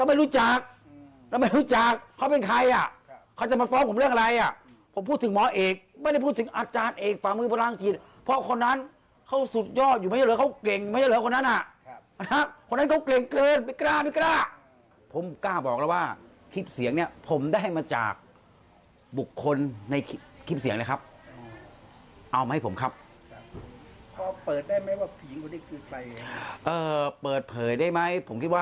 ไม่รู้จักแล้วไม่รู้จักเขาเป็นใครอ่ะเขาจะมาฟ้องผมเรื่องอะไรอ่ะผมพูดถึงหมอเอกไม่ได้พูดถึงอาจารย์เอกฝ่ามือพลังจิตเพราะคนนั้นเขาสุดยอดอยู่ไม่ใช่เหรอเขาเก่งไม่ใช่เหรอคนนั้นอ่ะนะฮะคนนั้นเขาเก่งเกินไม่กล้าไม่กล้าผมกล้าบอกแล้วว่าคลิปเสียงเนี่ยผมได้มาจากบุคคลในคลิปเสียงเลยครับเอามาให้ผมครับ